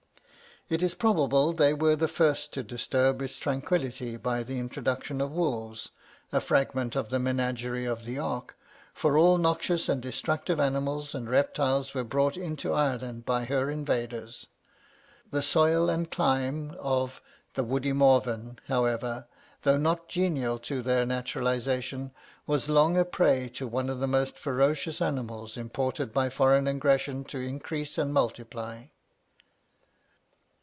"It is probable they were the first to disturb its tranquillity by the introduction of wolves, a fragment of the menagerie of the Ark; for all noxious and destructive animals and reptiles were brought into Ireland by her invaders. The soil and clime of the 'woody Morven,' however, though not genial to their naturalisation, was long a prey to one of the most ferocious animals imported by foreign aggression to increase and multiply.